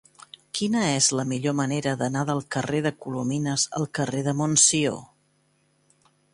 Quina és la millor manera d'anar del carrer de Colomines al carrer de Montsió?